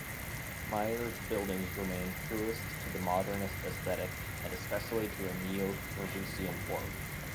Meier's buildings remain truest to the modernist aesthetic and especially to a neo-Corbusian form.